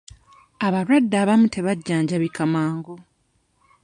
Abalwadde abamu tebajjanjabika mangu.